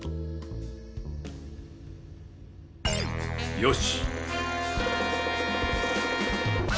よし。